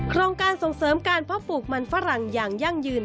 โครงการส่งเสริมการเพาะปลูกมันฝรั่งอย่างยั่งยืน